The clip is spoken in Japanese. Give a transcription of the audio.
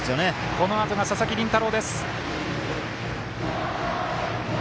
このあとが佐々木麟太郎。